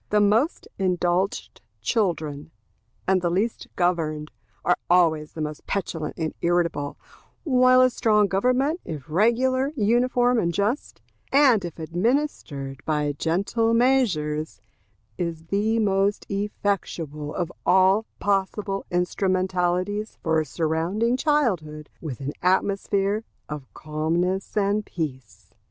The most indulged children, and the least governed, are always the most petulant and irritable; while a strong government, if regular, uniform, and just, and if administered by gentle measures, is the most effectual of all possible instrumentalities for surrounding childhood with an atmosphere of calmness and peace.